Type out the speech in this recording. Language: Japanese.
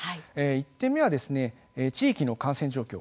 １点目は地域の感染状況